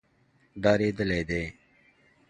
ډارېدلي دي.